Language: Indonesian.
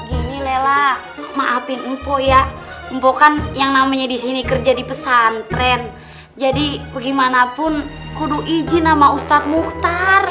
ee gini lela maapin mpo ya mpo kan yang namanya di sini kerja di pesantren jadi bagimanapun kudu izin sama ustadz mukhtar